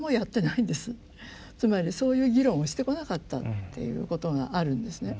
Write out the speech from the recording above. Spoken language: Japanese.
つまりそういう議論をしてこなかったっていうことがあるんですね。